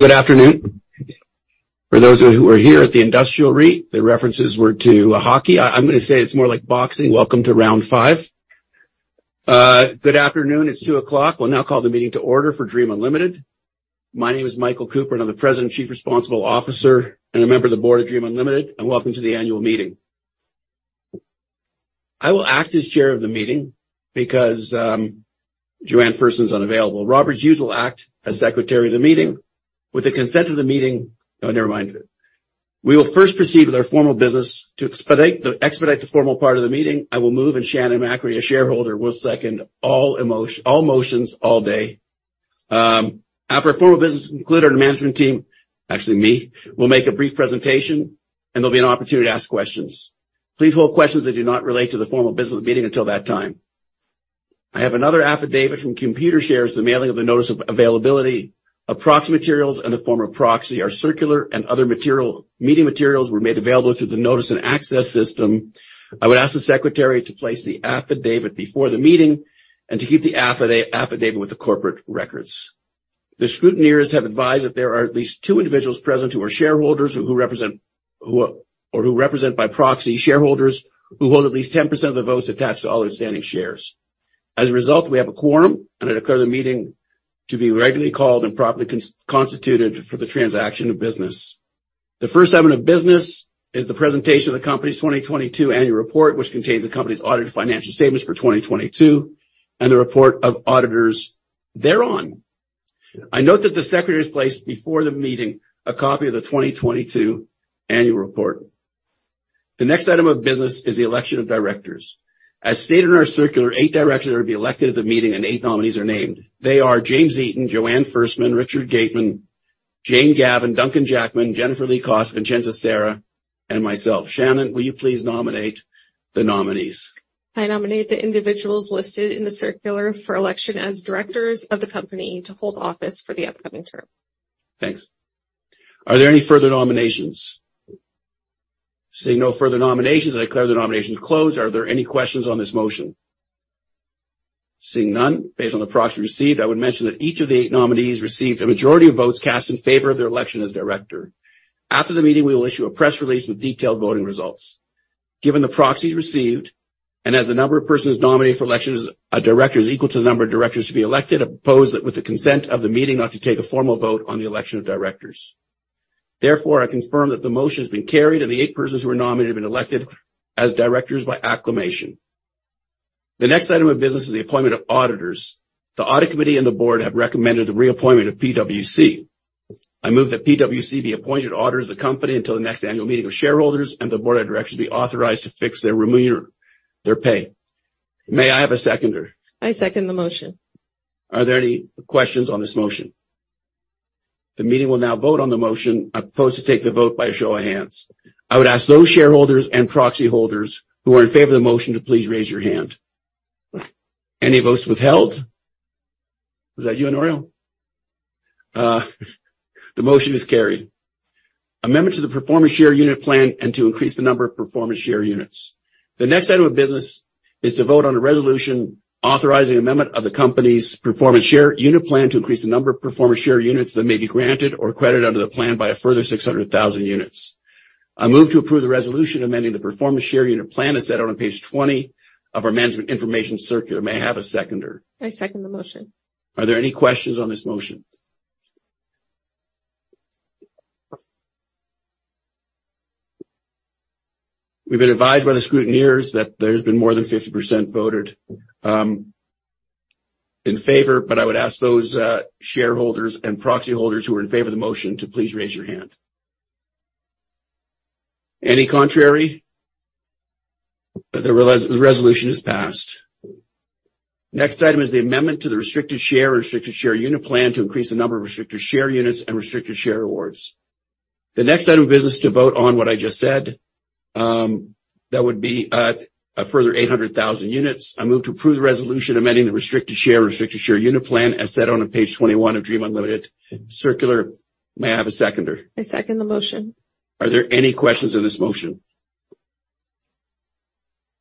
Good afternoon. For those who are here at the Industrial REIT, the references were to hockey. I'm gonna say it's more like boxing. Welcome to round 5. Good afternoon, it's 2:00 P.M. We'll now call the meeting to order for Dream Unlimited. My name is Michael Cooper, and I'm the President and Chief Responsible Officer, and a member of the board of Dream Unlimited, and welcome to the annual meeting. I will act as chair of the meeting because Joanne Ferstman's unavailable. Robert Hughes will act as Secretary of the meeting. Oh, never mind. We will first proceed with our formal business. To expedite the formal part of the meeting, I will move, and Shannon Macri, a shareholder, will second all motions all day. After our formal business is concluded, our management team, actually me, will make a brief presentation, and there'll be an opportunity to ask questions. Please hold questions that do not relate to the formal business meeting until that time. I have another affidavit from Computershare, the mailing of the notice of availability of proxy materials and the form of proxy. Our circular and other meeting materials were made available through the notice and access system. I would ask the secretary to place the affidavit before the meeting and to keep the affidavit with the corporate records. The scrutineers have advised that there are at least two individuals present who are shareholders, who represent, who or who represent by proxy shareholders who hold at least 10% of the votes attached to all outstanding shares. As a result, we have a quorum. I declare the meeting to be regularly called and properly constituted for the transaction of business. The first item of business is the presentation of the company's 2022 annual report, which contains the company's audited financial statements for 2022, and the report of auditors thereon. I note that the secretary has placed before the meeting a copy of the 2022 annual report. The next item of business is the election of directors. As stated in our circular, eight directors are to be elected at the meeting and eight nominees are named. They are James Eaton, Joanne Ferstman, Richard Gateman, Jane Gavan, Duncan Jackman, Jennifer Koss, Vincenza Sera, and myself. Shannon, will you please nominate the nominees? I nominate the individuals listed in the circular for election as Directors of the company to hold office for the upcoming term. Thanks. Are there any further nominations? Seeing no further nominations, I declare the nominations closed. Are there any questions on this motion? Seeing none, based on the proxies received, I would mention that each of the eight nominees received a majority of votes cast in favor of their election as director. After the meeting, we will issue a press release with detailed voting results. Given the proxies received, and as the number of persons nominated for election as a director is equal to the number of directors to be elected, I propose that with the consent of the meeting, not to take a formal vote on the election of directors. Therefore, I confirm that the motion has been carried and the eight persons who were nominated have been elected as directors by acclamation. The next item of business is the appointment of auditors. The audit committee and the board have recommended the reappointment of PwC. I move that PwC be appointed auditor of the company until the next annual meeting of shareholders, and the board of directors be authorized to fix their pay. May I have a seconder? I second the motion. Are there any questions on this motion? The meeting will now vote on the motion. I propose to take the vote by a show of hands. I would ask those shareholders and proxy holders who are in favor of the motion to please raise your hand. Any votes withheld? Was that you, Noriel? The motion is carried. Amendment to the performance share unit plan and to increase the number of performance share units. The next item of business is to vote on a resolution authorizing amendment of the company's performance share unit plan, to increase the number of performance share units that may be granted or credited under the plan by a further 600,000 units. I move to approve the resolution amending the performance share unit plan, as set out on page 20 of our management information circular. May I have a seconder? I second the motion. Are there any questions on this motion? We've been advised by the scrutineers that there's been more than 50% voted in favor, but I would ask those shareholders and proxy holders who are in favor of the motion to please raise your hand. Any contrary? The resolution is passed. Next item is the amendment to the restricted share unit plan to increase the number of restricted share units and restricted share awards. The next item of business is to vote on what I just said. That would be a further 800,000 units. I move to approve the resolution amending the restricted share unit plan, as set on page 21 of Dream Unlimited circular. May I have a seconder? I second the motion. Are there any questions on this motion?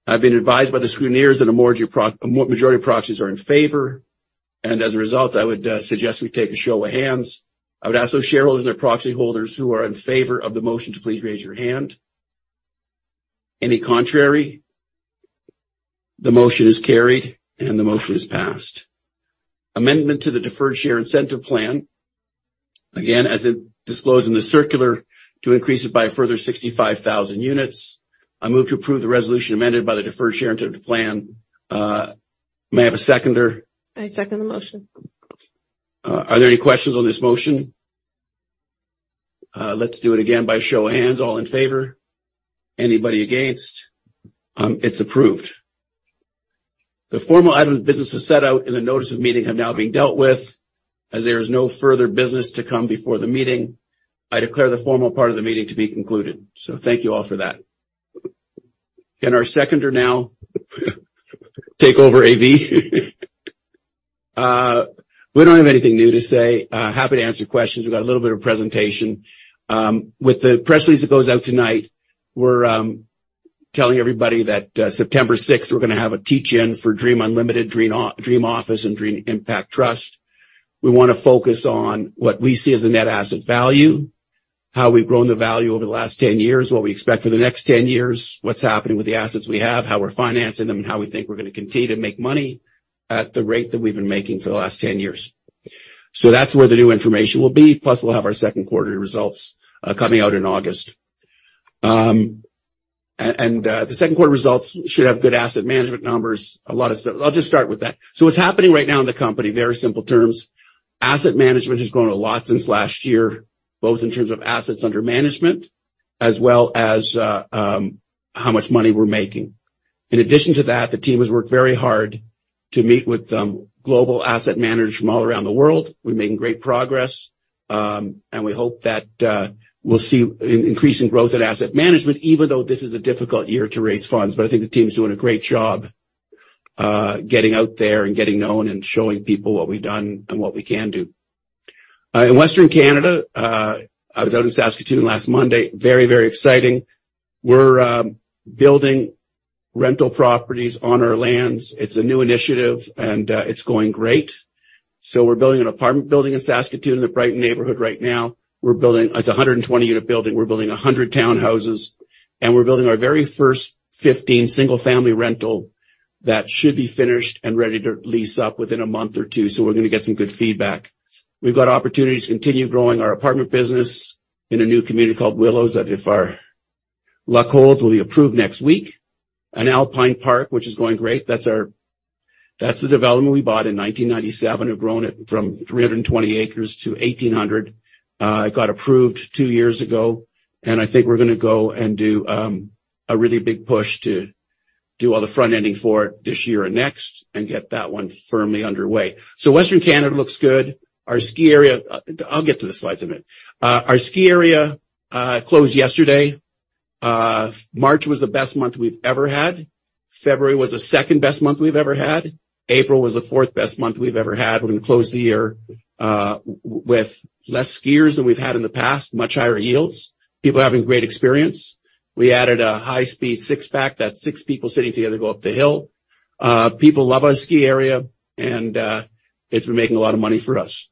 I've been advised by the scrutineers that a majority of proxies are in favor. As a result, I would suggest we take a show of hands. I would ask those shareholders and their proxy holders who are in favor of the motion to please raise your hand. Any contrary? The motion is carried. The motion is passed. Amendment to the deferred share incentive plan. Again, as it disclosed in the circular, to increase it by a further 65,000 units. I move to approve the resolution amended by the deferred share incentive plan. May I have a seconder? I second the motion. Are there any questions on this motion? Let's do it again by show of hands. All in favor? Anybody against? It's approved. The formal items of business as set out in the notice of meeting have now been dealt with. As there is no further business to come before the meeting, I declare the formal part of the meeting to be concluded. Thank you all for that. Can our seconder now take over AV? We don't have anything new to say. Happy to answer questions. We've got a little bit of presentation. With the press release that goes out tonight, we're telling everybody that September 6, we're gonna have a teach-in for Dream Unlimited, Dream Office, and Dream Impact Trust. We wanna focus on what we see as a net asset value, how we've grown the value over the last 10 years, what we expect for the next 10 years, what's happening with the assets we have, how we're financing them, and how we think we're gonna continue to make money at the rate that we've been making for the last 10 years. That's where the new information will be, plus we'll have our second quarter results coming out in August. The second quarter results should have good asset management numbers, a lot of stuff. I'll just start with that. What's happening right now in the company, very simple terms, asset management has grown a lot since last year, both in terms of assets under management as well as, how much money we're making. In addition to that, the team has worked very hard to meet with global asset managers from all around the world. We're making great progress. We hope that we'll see an increase in growth at asset management, even though this is a difficult year to raise funds. I think the team is doing a great job getting out there and getting known and showing people what we've done and what we can do. In Western Canada, I was out in Saskatoon last Monday, very, very exciting. We're building rental properties on our lands. It's a new initiative. It's going great. We're building an apartment building in Saskatoon, in the Brighton neighborhood right now. It's a 120 unit building. We're building 100 townhouses, and we're building our very first 15 single-family rental that should be finished and ready to lease up within a month or 2. We're gonna get some good feedback. We've got opportunities to continue growing our apartment business in a new community called Willows, that if our luck holds, will be approved next week. In Alpine Park, which is going great, that's the development we bought in 1997, and grown it from 320 acres to 1,800. It got approved 2 years ago, and I think we're gonna go and do a really big push to do all the front-ending for it this year and next and get that one firmly underway. Western Canada looks good. Our ski area, I'll get to the slides in a minute. Our ski area closed yesterday. March was the best month we've ever had. February was the second-best month we've ever had. April was the fourth best month we've ever had. We're gonna close the year with less skiers than we've had in the past, much higher yields, people having a great experience. We added a high-speed six-pack. That's six people sitting together to go up the hill. People love our ski area, and it's been making a lot of money for us.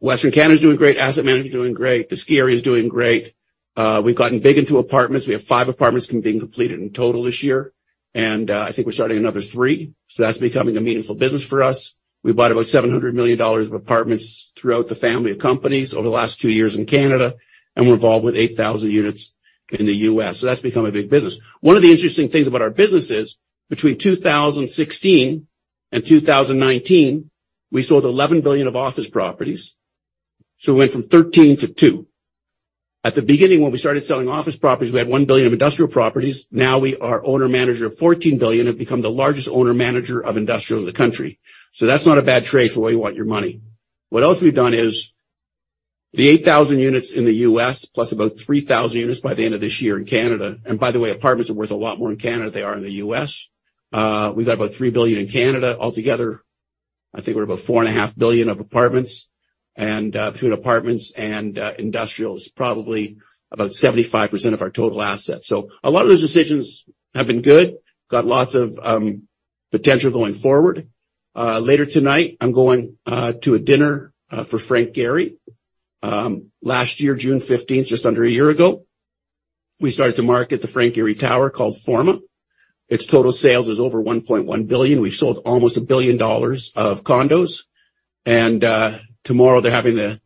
Western Canada is doing great, asset management is doing great, the ski area is doing great. We've gotten big into apartments. We have five apartments being completed in total this year, and I think we're starting another three. That's becoming a meaningful business for us. We bought about 700 million dollars of apartments throughout the family of companies over the last two years in Canada, and we're involved with 8,000 units in the US. That's become a big business. One of the interesting things about our business is, between 2016 and 2019, we sold 11 billion of office properties, we went from 13 to 2. At the beginning, when we started selling office properties, we had 1 billion of industrial properties. Now, we are owner, manager of 14 billion, and have become the largest owner, manager of industrial in the country. That's not a bad trade for where you want your money. What else we've done is, the 8,000 units in the US, plus about 3,000 units by the end of this year in Canada... By the way, apartments are worth a lot more in Canada than they are in the U.S. We've got about 3 billion in Canada. Altogether, I think we're about 4.5 billion of apartments and, between apartments and industrials, probably about 75% of our total assets. A lot of those decisions have been good. Got lots of potential going forward. Later tonight, I'm going to a dinner for Frank Gehry. Last year, June 15th, just under a year ago, we started to market the Frank Gehry Tower, called Forma. Its total sales is over 1.1 billion. We've sold almost 1 billion dollars of condos, and tomorrow they're having a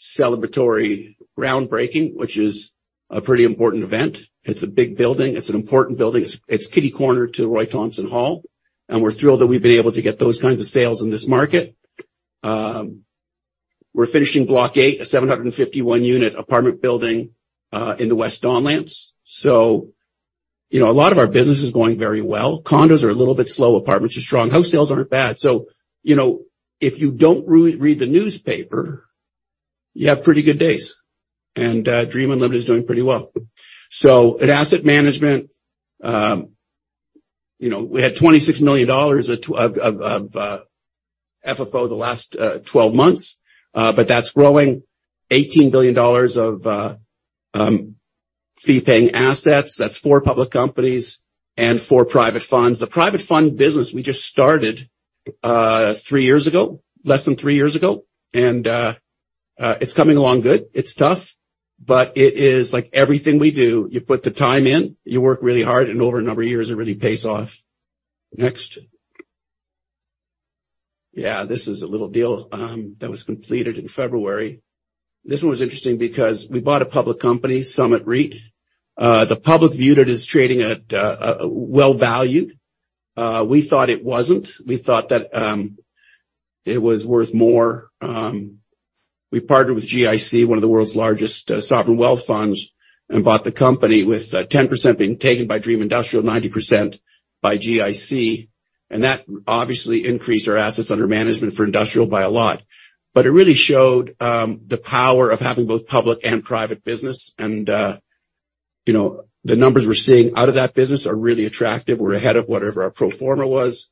celebratory groundbreaking, which is a pretty important event. It's a big building. It's an important building. It's kitty corner to Roy Thomson Hall. We're thrilled that we've been able to get those kinds of sales in this market. We're finishing Block 8, a 751 unit apartment building in the West Don Lands. You know, a lot of our business is going very well. Condos are a little bit slow, apartments are strong, house sales aren't bad. You know, if you don't re-read the newspaper, you have pretty good days. Dream Unlimited is doing pretty well. At asset management, you know, we had 26 million dollars of FFO the last 12 months. That's growing. 18 billion dollars of fee-paying assets. That's for public companies and for private funds. The private fund business, we just started 3 years ago, less than 3 years ago, it's coming along good. It's tough, it is like everything we do. You put the time in, you work really hard, over a number of years, it really pays off. Next. This is a little deal that was completed in February. This one was interesting because we bought a public company, Summit REIT. The public viewed it as trading at well valued. We thought it wasn't. We thought that it was worth more. We partnered with GIC, one of the world's largest sovereign wealth funds, bought the company with 10% being taken by Dream Industrial, 90% by GIC, that obviously increased our assets under management for industrial by a lot. It really showed the power of having both public and private business, and, you know, the numbers we're seeing out of that business are really attractive. We're ahead of whatever our pro forma was.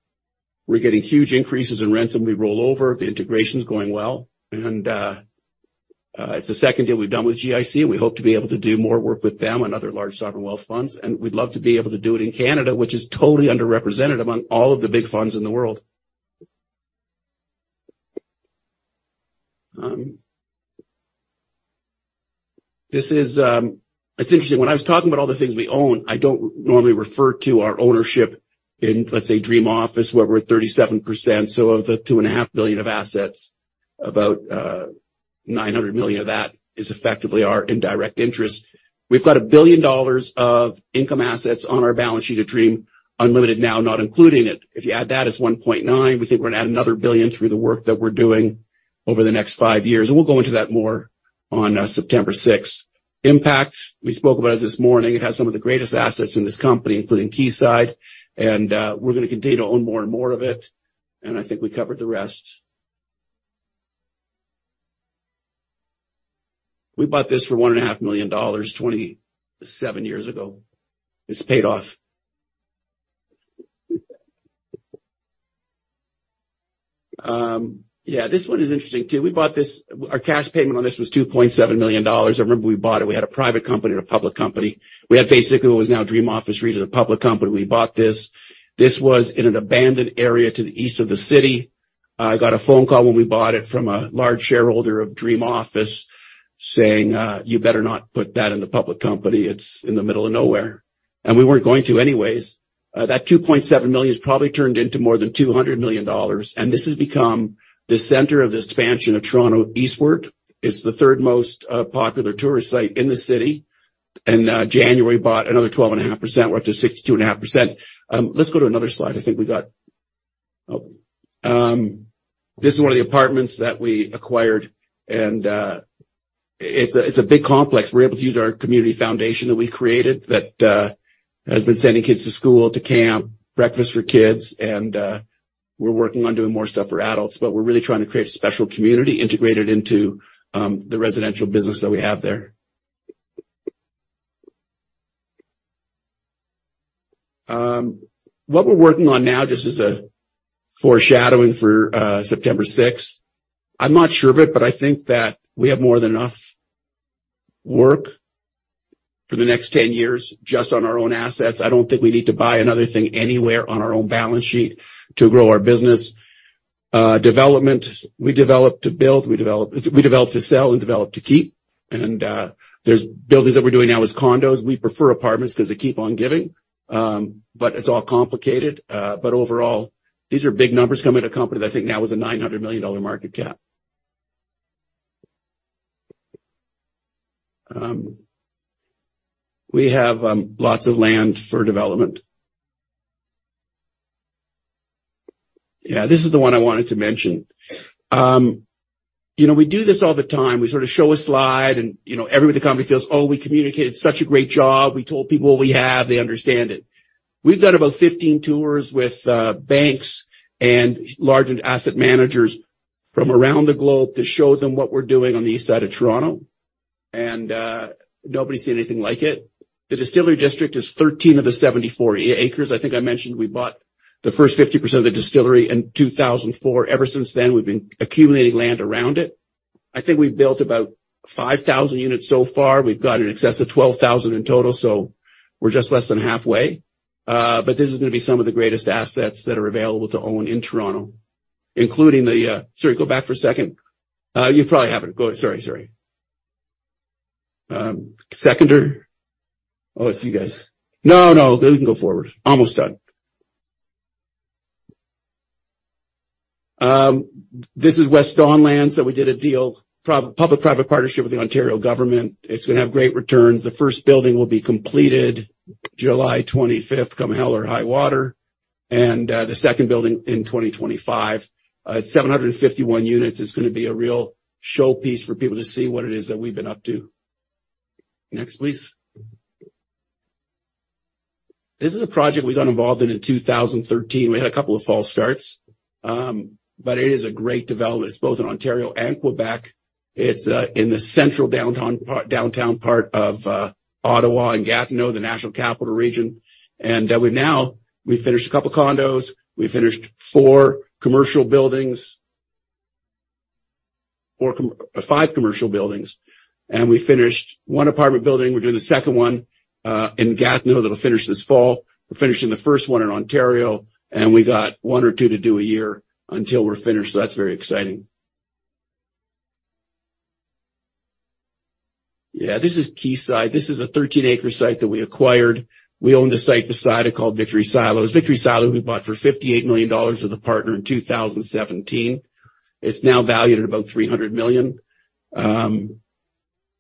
We're getting huge increases in rents, and we roll over. The integration's going well, and it's the second deal we've done with GIC, and we hope to be able to do more work with them and other large sovereign wealth funds. We'd love to be able to do it in Canada, which is totally underrepresented among all of the big funds in the world. This is interesting. When I was talking about all the things we own, I don't normally refer to our ownership in, let's say, Dream Office, where we're at 37%. Of the 2.5 billion of assets, about 900 million of that is effectively our indirect interest. We've got 1 billion dollars of income assets on our balance sheet of Dream Unlimited now, not including it. If you add that, it's 1.9 billion. We think we're gonna add another 1 billion through the work that we're doing over the next five years, and we'll go into that more on September sixth. Impact, we spoke about it this morning. It has some of the greatest assets in this company, including Quayside, and we're gonna continue to own more and more of it, and I think we covered the rest. We bought this for one and a half million dollars 27 years ago. It's paid off. Yeah, this one is interesting, too. Our cash payment on this was 2.7 million dollars. I remember we bought it. We had a private company and a public company. We had basically what was now Dream Office REIT as a public company. We bought this. This was in an abandoned area to the east of the city. I got a phone call when we bought it from a large shareholder of Dream Office, saying, "You better not put that in the public company. It's in the middle of nowhere." We weren't going to anyways. That 2.7 million has probably turned into more than 200 million dollars, and this has become the center of the expansion of Toronto eastward. It's the third most popular tourist site in the city. In January, bought another 12.5%, we're up to 62.5%. Let's go to another slide. I think we got. This is one of the apartments that we acquired, and it's a big complex. We're able to use our community foundation that we created that has been sending kids to school, to camp, breakfast for kids, and we're working on doing more stuff for adults, but we're really trying to create a special community integrated into the residential business that we have there. What we're working on now, just as a foreshadowing for September 6th, I'm not sure of it, but I think that we have more than enough work for the next 10 years just on our own assets. I don't think we need to buy another thing anywhere on our own balance sheet to grow our business. Development, we develop to build, we develop to sell and develop to keep, and there's buildings that we're doing now as condos. We prefer apartments because they keep on giving, but it's all complicated. Overall, these are big numbers coming to companies, I think now with a 900 million dollar market cap. We have lots of land for development. Yeah, this is the one I wanted to mention. You know, we do this all the time. We sort of show a slide, and, you know, everybody in the company feels, "Oh, we communicated such a great job. We told people what we have. They understand it." We've done about 15 tours with banks and large asset managers from around the globe to show them what we're doing on the east side of Toronto. Nobody's seen anything like it. The Distillery District is 13 of the 74 acres. I think I mentioned we bought the first 50% of the Distillery in 2004. Ever since then, we've been accumulating land around it. I think we've built about 5,000 units so far. We've got in excess of 12,000 in total. We're just less than halfway. This is gonna be some of the greatest assets that are available to own in Toronto, including the... Sorry, go back for a second. You probably have it. Go. Sorry. Seconder? Oh, it's you guys. No, we can go forward. Almost done. This is West Don Lands. We did a deal, public-private partnership with the Ontario government. It's gonna have great returns. The first building will be completed July 25th, come hell or high water. The second building in 2025. 751 units is gonna be a real showpiece for people to see what it is that we've been up to. Next, please. This is a project we got involved in in 2013. We had a couple of false starts, but it is a great development. It's both in Ontario and Quebec. It's in the central downtown part, downtown part of Ottawa and Gatineau, the National Capital Region. We've now, we've finished a couple of condos, we've finished 4 commercial buildings, 5 commercial buildings, and we finished one apartment building. We're doing the second one in Gatineau, that'll finish this fall. We're finishing the first one in Ontario, we got one or two to do a year until we're finished. That's very exciting. Yeah, this is Quayside. This is a 13-acre site that we acquired. We own the site beside it called Victory Silos. Victory Silos, we bought for 58 million dollars with a partner in 2017. It's now valued at about 300 million.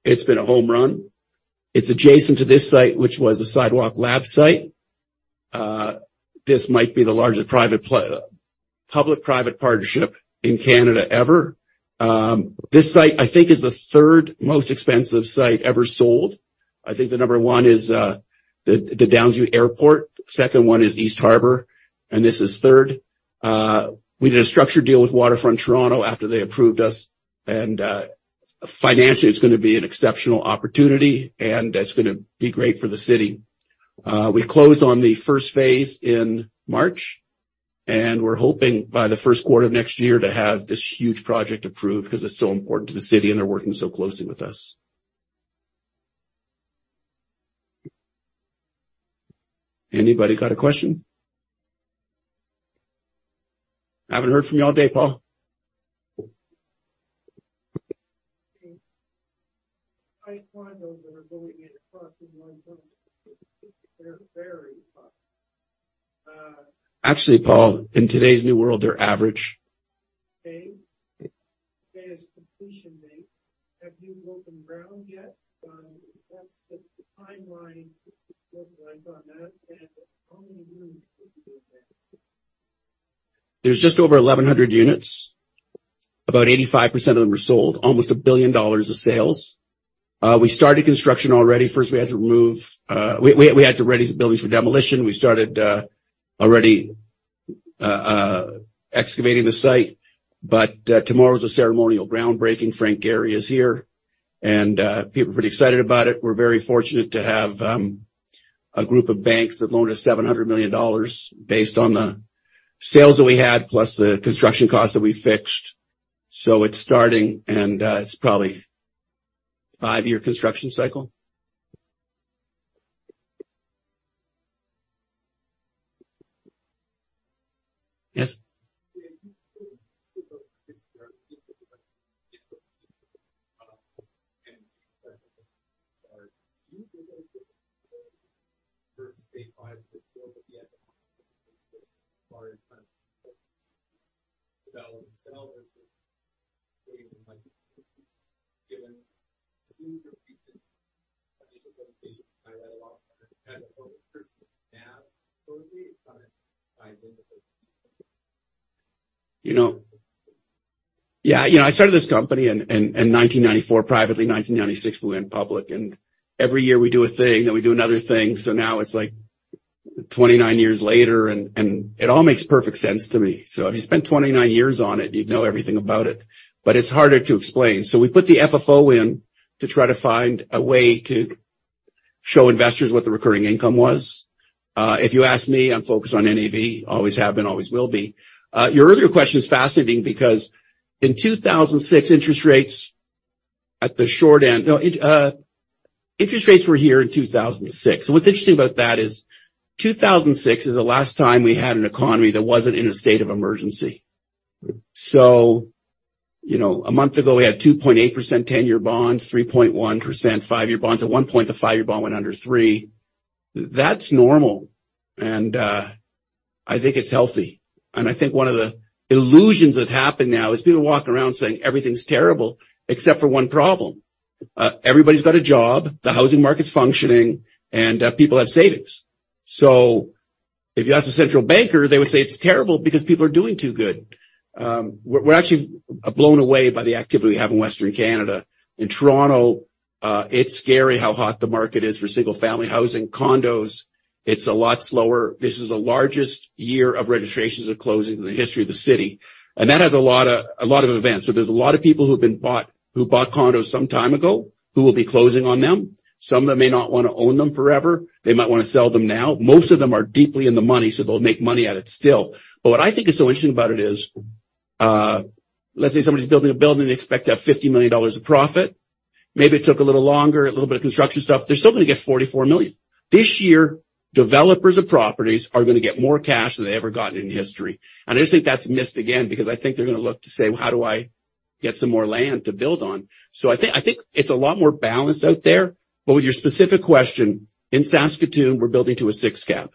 It's been a home run. It's adjacent to this site, which was a Sidewalk Labs site. This might be the largest public-private partnership in Canada ever. This site, I think, is the third most expensive site ever sold. I think the number one is the Downsview Airport, second one is East Harbour, and this is third. We did a structured deal with Waterfront Toronto after they approved us, and financially, it's gonna be an exceptional opportunity, and it's gonna be great for the city. We closed on the first phase in March. We're hoping by the first quarter of next year to have this huge project approved, because it's so important to the city, and they're working so closely with us. Anybody got a question? I haven't heard from you all day, Paul. I find those that are going in across they're very high. Actually, Paul, in today's new world, they're average. Okay. Today's completion date, have you broken ground yet? What's the timeline look like on that, and how many units would you build there? There's just over 1,100 units. About 85% of them are sold, almost $1 billion of sales. We started construction already. First, we had to ready the buildings for demolition. We started already excavating the site. Tomorrow's a ceremonial groundbreaking. Frank Gehry is here, and people are pretty excited about it. We're very fortunate to have a group of banks that loaned us $700 million based on the sales that we had, plus the construction costs that we fixed. It's starting, and it's probably five-year construction cycle. Yes? [inaudible] You know. Yeah, you know, I started this company in 1994, privately, 1996, we went public, and every year we do a thing, then we do another thing. now it's like 29 years later, and it all makes perfect sense to me. If you spent 29 years on it, you'd know everything about it, but it's harder to explain. We put the FFO in to try to find a way to show investors what the recurring income was. If you ask me, I'm focused on NAV, always have been, always will be. Your earlier question is fascinating because in 2006, interest rates at the short end, interest rates were here in 2006. What's interesting about that is, 2006 is the last time we had an economy that wasn't in a state of emergency. you know, a month ago, we had 2.8% 10-year bonds, 3.1% 5-year bonds. At one point, the five-year bond went under 3. That's normal, and I think it's healthy. I think one of the illusions that's happened now is people walking around saying everything's terrible except for one problem. Everybody's got a job, the housing market's functioning, and people have savings. If you ask a central banker, they would say it's terrible because people are doing too good. We're actually blown away by the activity we have in Western Canada. In Toronto, it's scary how hot the market is for single-family housing. Condos, it's a lot slower. This is the largest year of registrations of closing in the history of the city, and that has a lot of events. There's a lot of people who bought condos some time ago, who will be closing on them. Some of them may not want to own them forever. They might want to sell them now. Most of them are deeply in the money, so they'll make money at it still. What I think is so interesting about it is, let's say somebody's building a building, they expect to have 50 million dollars of profit. Maybe it took a little longer, a little bit of construction stuff. They're still going to get 44 million. This year, developers of properties are going to get more cash than they've ever gotten in history. I just think that's missed again, because I think they're going to look to say, "Well, how do I get some more land to build on?" I think it's a lot more balanced out there. With your specific question, in Saskatoon, we're building to a Step 6.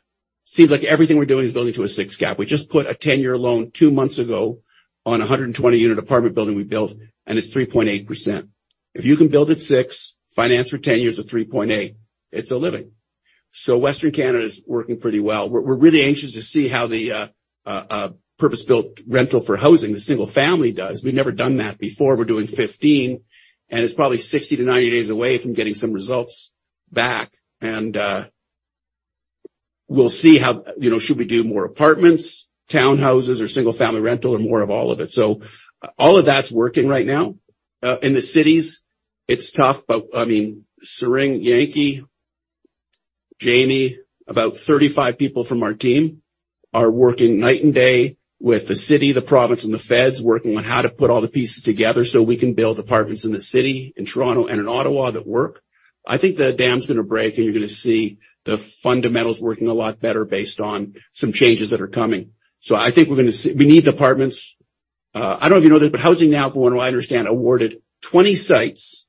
Seems like everything we're doing is building to a Step 6. We just put a 10-year loan 2 months ago on a 120-unit apartment building we built, and it's 3.8%. If you can build at 6%, finance for 10 years at 3.8%, it's a living. Western Canada is working pretty well. We're really anxious to see how the purpose-built rental for housing, the single family does. We've never done that before. We're doing 15, and it's probably 60-90 days away from getting some results back, and we'll see how, you know, should we do more apartments, townhouses or single-family rental or more of all of it. All of that's working right now. In the cities, it's tough, I mean, Serafina, Yankee, Jamie, about 35 people from our team are working night and day with the city, the province, and the feds, working on how to put all the pieces together so we can build apartments in the city, in Toronto, and in Ottawa that work. I think the dam's going to break, and you're going to see the fundamentals working a lot better based on some changes that are coming. I think we need the apartments. I don't know if you know this, housing now, from what I understand, awarded 20 sites.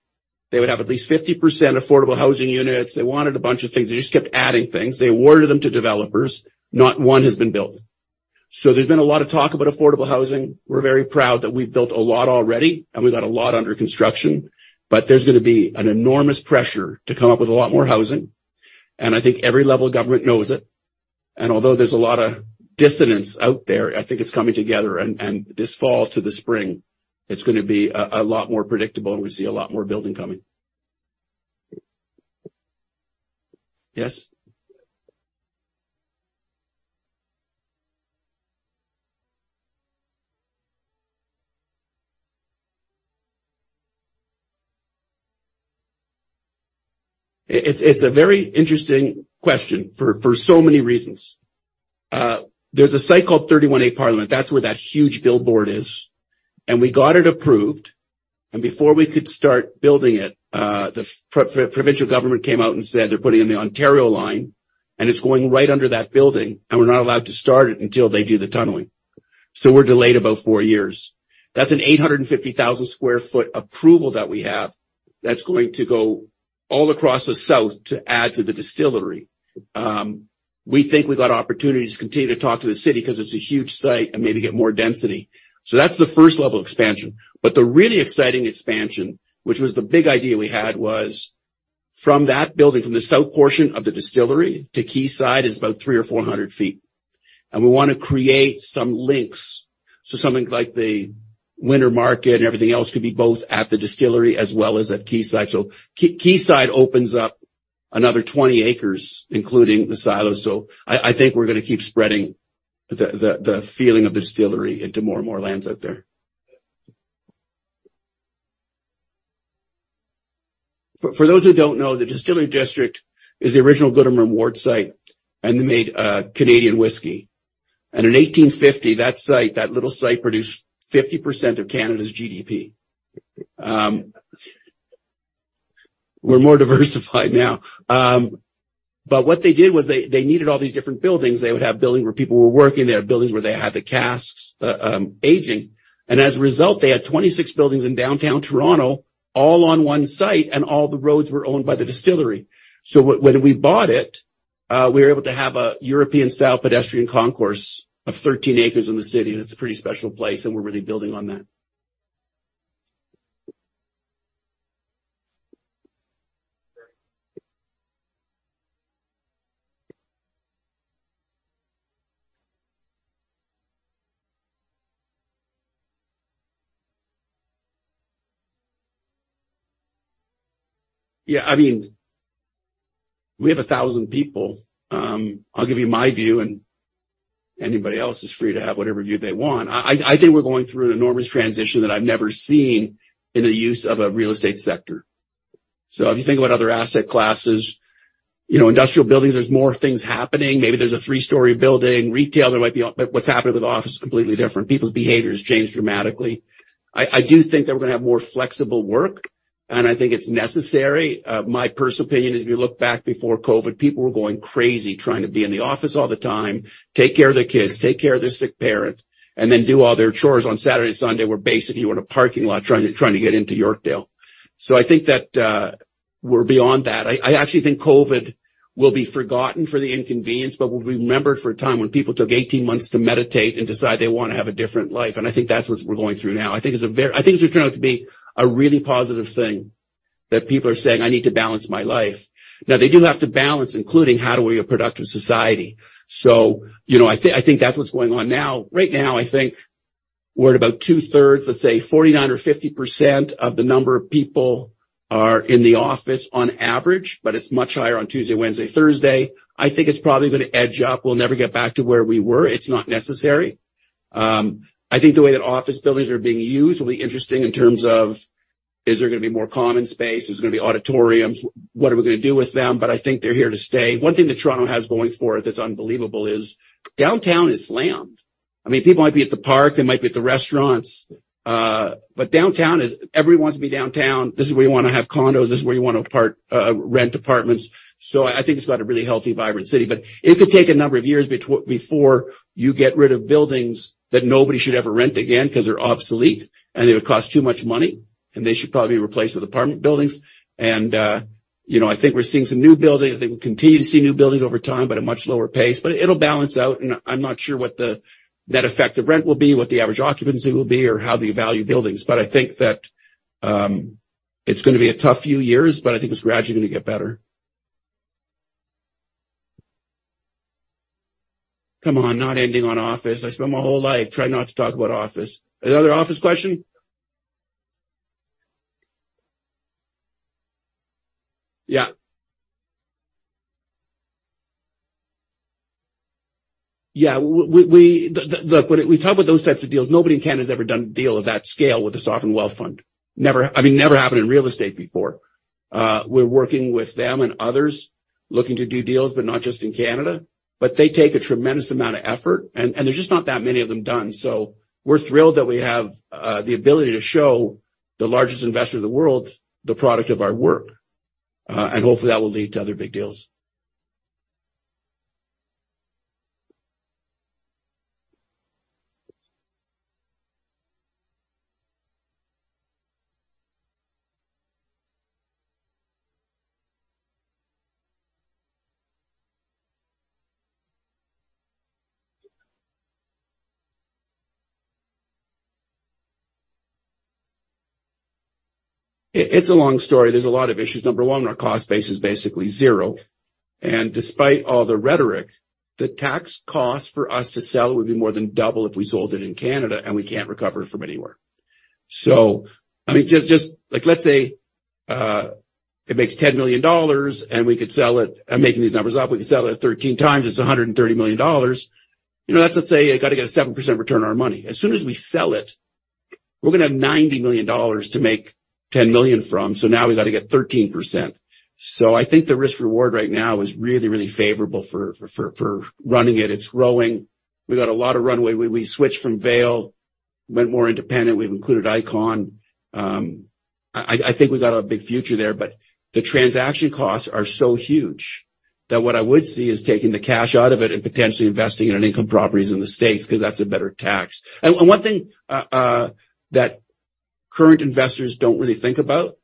They would have at least 50% affordable housing units. They wanted a bunch of things. They just kept adding things. They awarded them to developers. Not 1 has been built. There's been a lot of talk about affordable housing. We're very proud that we've built a lot already, and we've got a lot under construction, but there's going to be an enormous pressure to come up with a lot more housing, and I think every level of government knows it. Although there's a lot of dissonance out there, I think it's coming together, and this fall to the spring, it's going to be a lot more predictable, and we see a lot more building coming. Yes? It's a very interesting question for so many reasons. There's a site called 31A Parliament. That's where that huge billboard is. We got it approved. Before we could start building it, the provincial government came out and said they're putting in the Ontario Line, and it's going right under that building. We're not allowed to start it until they do the tunneling. We're delayed about four years. That's an 850,000 sq ft approval that we have that's going to go all across the south to add to the Distillery. We think we've got opportunities to continue to talk to the city 'cause it's a huge site and maybe get more density. That's the first level of expansion. The really exciting expansion, which was the big idea we had, was from that building, from the south portion of the distillery to Quayside, is about 300 ft or 400 ft, and we wanna create some links. Something like the winter market and everything else could be both at the distillery as well as at Quayside. Quayside opens up another 20 acres, including the silo. I think we're gonna keep spreading the feeling of the distillery into more and more lands out there. For those who don't know, the Distillery District is the original Gooderham & Worts site, and they made Canadian whiskey. In 1850, that site, that little site, produced 50% of Canada's GDP. We're more diversified now. What they did was they needed all these different buildings. They would have buildings where people were working, they had buildings where they had the casks aging. As a result, they had 26 buildings in downtown Toronto, all on one site, and all the roads were owned by the distillery. When we bought it, we were able to have a European-style pedestrian concourse of 13 acres in the city, and it's a pretty special place, and we're really building on that. Yeah, I mean, we have 1,000 people. I'll give you my view, and anybody else is free to have whatever view they want. I think we're going through an enormous transition that I've never seen in the use of a real estate sector. If you think about other asset classes, you know, industrial buildings, there's more things happening. Maybe there's a 3-story building, retail, there might be... What's happening with office is completely different. People's behavior has changed dramatically. I do think that we're gonna have more flexible work, and I think it's necessary. My personal opinion is, if you look back before COVID, people were going crazy trying to be in the office all the time, take care of their kids, take care of their sick parent, and then do all their chores on Saturday, Sunday, were basically in a parking lot, trying to get into Yorkdale. I think that we're beyond that. I actually think COVID will be forgotten for the inconvenience, but will be remembered for a time when people took 18 months to meditate and decide they want to have a different life. I think that's what we're going through now. I think it's going to be a really positive thing that people are saying, "I need to balance my life." They do have to balance, including how do we be a productive society. You know, I think that's what's going on now. Right now, I think we're at about two-thirds, let's say 49% or 50% of the number of people are in the office on average, but it's much higher on Tuesday, Wednesday, Thursday. I think it's probably gonna edge up. We'll never get back to where we were. It's not necessary. I think the way that office buildings are being used will be interesting in terms of, is there gonna be more common space? Is there gonna be auditoriums? What are we gonna do with them? I think they're here to stay. One thing that Toronto has going for it that's unbelievable is downtown is slammed. I mean, people might be at the park, they might be at the restaurants, but downtown is. Everyone wants to be downtown. This is where you want to have condos. This is where you want to apart, rent apartments. I think it's got a really healthy, vibrant city. It could take a number of years before you get rid of buildings that nobody should ever rent again because they're obsolete, and it would cost too much money, and they should probably be replaced with apartment buildings. You know, I think we're seeing some new buildings. I think we'll continue to see new buildings over time, but at a much lower pace. It'll balance out, and I'm not sure what the, that effect of rent will be, what the average occupancy will be, or how they value buildings. I think that it's gonna be a tough few years, but I think it's gradually gonna get better. Come on, not ending on office. I spent my whole life trying not to talk about office. Any other office question? Yeah. Yeah, when we talk about those types of deals, nobody in Canada has ever done a deal of that scale with the Sovereign Wealth Fund. Never, I mean, never happened in real estate before. We're working with them and others looking to do deals, but not just in Canada. They take a tremendous amount of effort, and there's just not that many of them done. We're thrilled that we have the ability to show the largest investor in the world the product of our work, and hopefully, that will lead to other big deals. It's a long story. There's a lot of issues. Number one, our cost base is basically zero, and despite all the rhetoric, the tax cost for us to sell would be more than double if we sold it in Canada, and we can't recover it from anywhere. I mean, just like, let's say it makes 10 million dollars, and we could sell it. I'm making these numbers up. We could sell it at 13x. It's 130 million dollars. You know, let's just say I got to get a 7% return on our money. As soon as we sell it, we're gonna have $90 million to make $10 million from. Now we got to get 13%. I think the risk reward right now is really, really favorable for running it. It's growing. We got a lot of runway. We switched from Vail, went more independent. We've included Ikon. I think we got a big future there, but the transaction costs are so huge that what I would see is taking the cash out of it and potentially investing in an income properties in the States because that's a better tax. One thing that current investors don't really think about,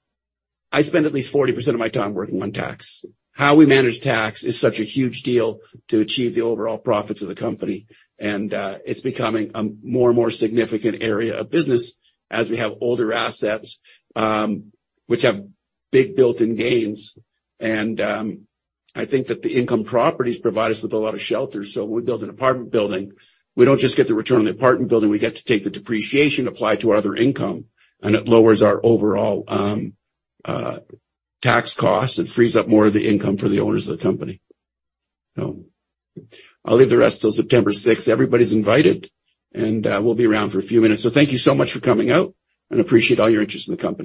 I spend at least 40% of my time working on tax. How we manage tax is such a huge deal to achieve the overall profits of the company. It's becoming a more and more significant area of business as we have older assets, which have big built-in gains. I think that the income properties provide us with a lot of shelter. When we build an apartment building, we don't just get the return on the apartment building, we get to take the depreciation applied to our other income, and it lowers our overall tax costs and frees up more of the income for the owners of the company. I'll leave the rest till September sixth. Everybody's invited. We'll be around for a few minutes. Thank you so much for coming out. Appreciate all your interest in the company.